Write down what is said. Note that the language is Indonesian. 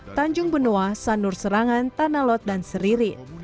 di antara kawasan kota penua sanur serangan tanalot dan seririt